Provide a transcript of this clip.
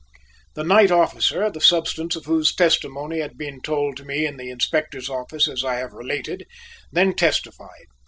The night officer, the substance of whose testimony had been told to me in the Inspector's office as I have related, then testified.